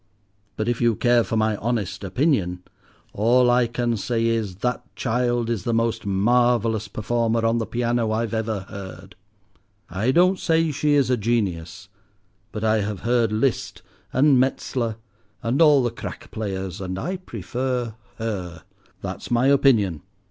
But if you care for my honest opinion, all I can say is, that child is the most marvellous performer on the piano I've ever heard. I don't say she is a genius, but I have heard Liszt and Metzler and all the crack players, and I prefer her. That's my opinion.